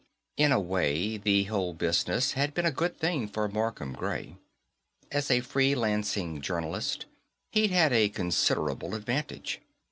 In a way, the whole business had been a good thing for Markham Gray. As a free lancing journalist, he'd had a considerable advantage.